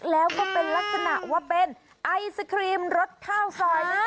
แล้วก็เป็นลักษณะว่าเป็นไอศครีมรสข้าวซอยนะ